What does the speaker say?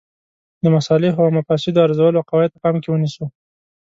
د مصالحو او مفاسدو ارزولو قواعد په پام کې ونیسو.